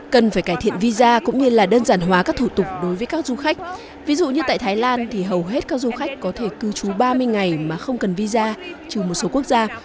cần phải cải thiện visa cũng như là đơn giản hóa các thủ tục đối với các du khách ví dụ như tại thái lan thì hầu hết các du khách có thể cư trú ba mươi ngày mà không cần visa trừ một số quốc gia